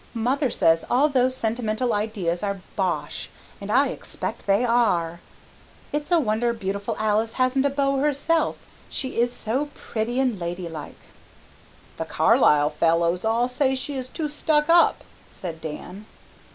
"Mother says all those sentimental ideas are bosh and I expect they are. It's a wonder Beautiful Alice hasn't a beau herself. She is so pretty and lady like." "The Carlisle fellows all say she is too stuck up," said Dan.